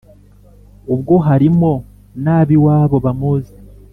Ubwo harimo n'ab'iwabo bamuzi,